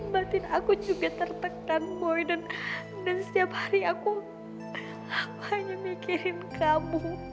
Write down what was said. batin aku juga tertekan boy dan setiap hari aku aku hanya mikirin kamu